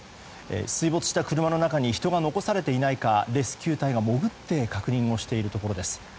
水没した車の中に人が残されていないかレスキュー隊が潜って確認をしているところです。